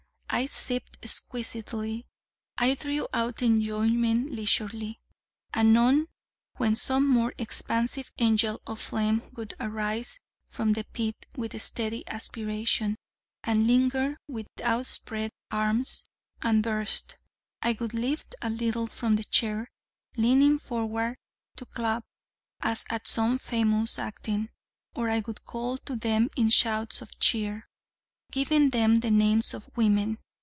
I sipped exquisitely, I drew out enjoyment leisurely. Anon, when some more expansive angel of flame would arise from the Pit with steady aspiration, and linger with outspread arms, and burst, I would lift a little from the chair, leaning forward to clap, as at some famous acting; or I would call to them in shouts of cheer, giving them the names of Woman.